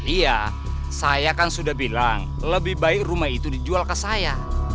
iya saya kan sudah bilang lebih baik rumah itu dijual ke saya